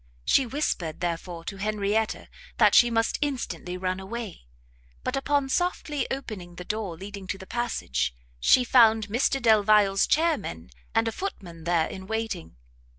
She whispered, therefore, to Henrietta, that she must instantly run away, but, upon softly opening the door leading to the passage, she found Mr Delvile's chairmen, and a footman there in waiting.